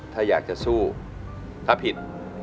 ถ้าอยากจะสู้ถ้าผิด